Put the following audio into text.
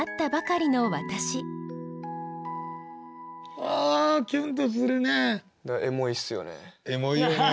うわキュンとするね。